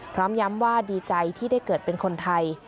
พร้อมย้ำว่าดีใจที่ได้เกิดเป็นคนไทย